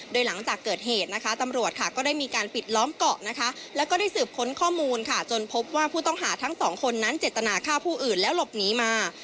โดยหลังจากเกิดเหตุนะคะตำรวจค่ะก็ได้มีการปิดล้อมเกาะนะคะแล้วก็ได้สืบค้นข้อมูลค่ะจนพบว่าผู้ต้องหาทั้งสองคนนั้นเจตนาฆ่าผู้อื่นแล้วหลบหนีมา